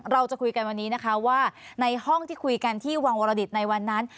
เราจะคุยกันวันนี้นะคะว่าในห้องที่คุยกันที่วังวรดิตในวันนั้น